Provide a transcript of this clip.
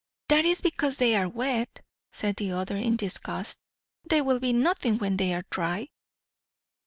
"That is because they are wet!" said the other in disgust. "They will be nothing when they are dry."